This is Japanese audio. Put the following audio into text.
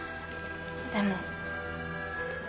でも。